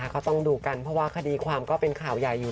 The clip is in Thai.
ก็ต้องดูกันเพราะว่าคดีความก็เป็นข่าวใหญ่อยู่